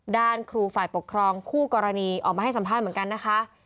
ด้านครูฝ่ายปกครองคู่กรณีออกมาให้สัมภาษณ์เหมือนกันนะคะ